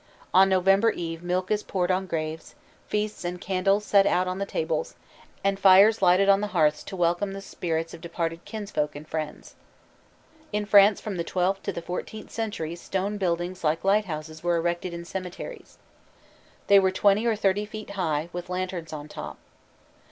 On November Eve milk is poured on graves, feasts and candles set out on the tables, and fires lighted on the hearths to welcome the spirits of departed kinsfolk and friends. In France from the twelfth to the fourteenth century stone buildings like lighthouses were erected in cemeteries. They were twenty or thirty feet high, with lanterns on top.